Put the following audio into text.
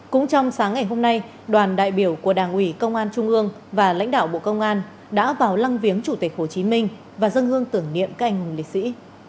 cũng trong sáng ngày hôm nay đoàn đại biểu của đảng ủy công an trung ương và lãnh đạo bộ công an đã vào lăng viếng chủ tịch hồ chí minh và dân hương tưởng niệm canh hùng liệt sĩ